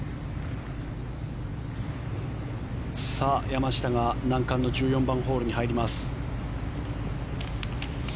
山下が難関の１４番ホールに入ります。